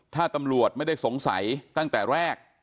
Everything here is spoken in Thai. ถ้าตำรวจไม่ได้สงสัยตั้งแต่แรก